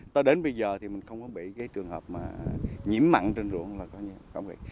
tới đến bây giờ thì mình không có bị cái trường hợp mà nhiễm mặn trên ruộng là có gì